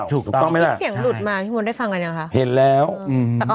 ถูกต้องถูกต้องถูกต้องถูกต้องถูกต้องถูกต้องถูกต้องถูกต้องถูกต้อง